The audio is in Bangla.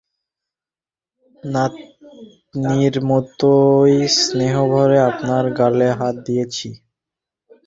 নাতনির মতোইস্নেহভরে আপনার গালে হাত দিয়েছি।